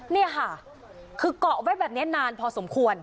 นี่ค่ะคือเกาะไว้แบบนี้นานพอสมควร